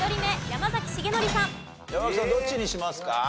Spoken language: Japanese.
山崎さんどっちにしますか？